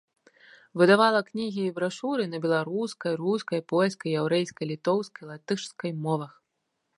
Выдавала кнігі і брашуры на беларускай, рускай, польскай, яўрэйскай, літоўскай, латышскай мовах.